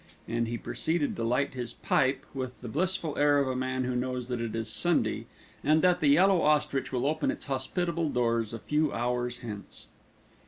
and he proceeded to light his pipe with the blissful air of a man who knows that it is Sunday, and that The Yellow Ostrich will open its hospitable doors a few hours hence.